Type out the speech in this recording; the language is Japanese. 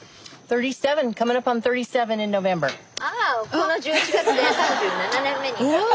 この１１月で３７年目になる。ウゥ。